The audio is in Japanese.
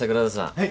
はい。